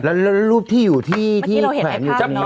แล้วรูปที่อยู่ที่แขวน